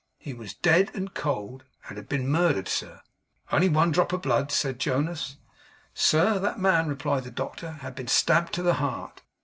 He was dead and cold; and had been murdered, sir.' 'Only one drop of blood!' said Jonas. 'Sir, that man,' replied the doctor, 'had been stabbed to the heart.